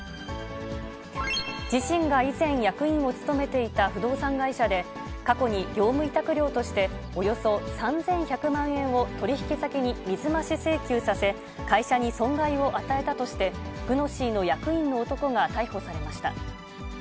自身が以前、役員を務めていた不動産会社で、過去に業務委託料として、およそ３１００万円を取り引き先に水増し請求させ、会社に損害を与えたとして、グノシーの役員の男が逮捕されました。